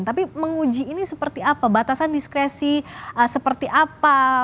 tapi menguji ini seperti apa batasan diskresi seperti apa